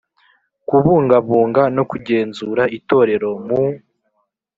Kubungabunga no kugenzura itorero mu